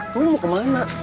lu mau kemana